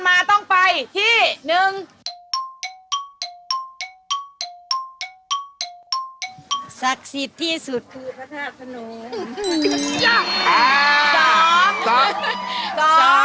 ย่าสองสองสอง